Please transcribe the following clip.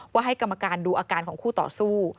ให้กรรมการดูอาการของคู่ต่อสู้